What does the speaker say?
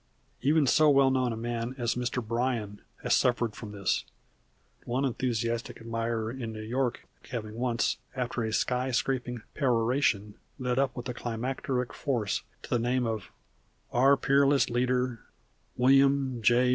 Even so well known a man as Mr. Bryan has suffered from this, one enthusiastic admirer in New York having once, after a skyscraping peroration, led up with climacteric force to the name of "our Peerless Leader, _William J.